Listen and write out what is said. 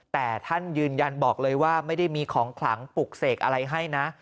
แต่ท่านยืนยันบอกเลยว่าไม่ได้มีของขลังปลุกเสกอะไรให้นะ